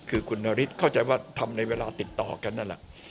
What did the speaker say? คือคุณนฤทธิเข้าใจว่าทำในเวลาติดต่อกันนั่นแหละ